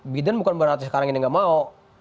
biden bukan berarti sekarang ini nggak mau